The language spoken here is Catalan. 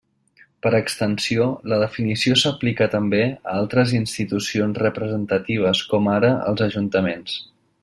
Per extensió, la definició s'aplica també a altres institucions representatives com ara als Ajuntaments.